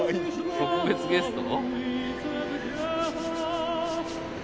特別ゲスト？